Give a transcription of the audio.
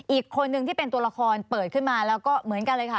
อีกคนนึงที่เป็นตัวละครเปิดขึ้นมาแล้วก็เหมือนกันเลยค่ะ